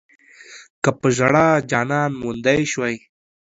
که پۀ ژړا جانان موندی شوی